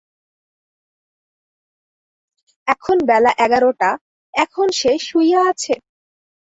এখন বেলা এগারোটা, এখন সে শুইয়া আছে!